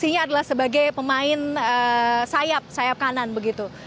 posisinya adalah sebagai pemain sayap sayap kanan begitu